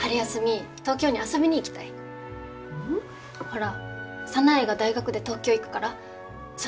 ほら早苗が大学で東京行くからその時に。